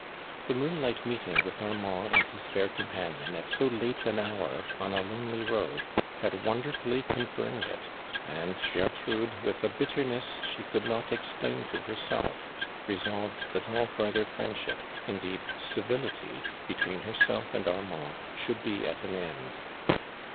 The moonlight meeting v^ith Artnahd arid his fair conijianiori at so lat^ an hour, on a lonely road, had wdnderfttlly confirmed it, and Gertrude, with a bitterness she could not explain to herself, resoli^ed that all farther friendship, indeed civility, between herself and Armand, should bi^ at an end.